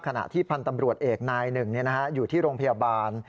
ขณะที่พันธ์ตำรวจเอกนายหนึ่งอยู่ที่โรงพยาบาล